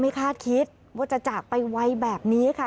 คาดคิดว่าจะจากไปไวแบบนี้ค่ะ